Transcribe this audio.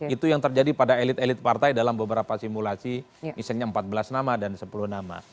itu yang terjadi pada elit elit partai dalam beberapa simulasi misalnya empat belas nama dan sepuluh nama